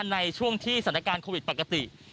ในช่วงที่สถานการณ์โควิดปกติ